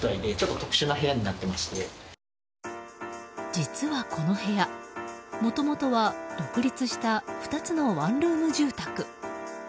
実はこの部屋、もともとは独立した２つのワンルーム住宅。